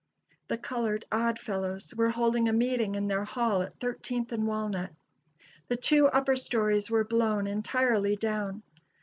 The colored Odd Fellows were holding a meeting in their hall at Thirteenth and Walnut. The two upper stories were blown entirely down.